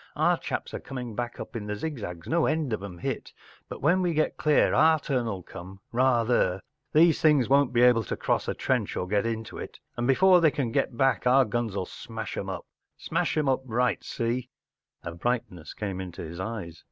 Our chaps are coming back up the zigzags .... No end of ’em hit. ... But when we get clear our turn’ll come. Rather ! Those things won't be able to cross a trench or get into it; and before they can get back our guns’ll smash ’em up. Smash ’em right up. See ? ” A brightness came into his eyes.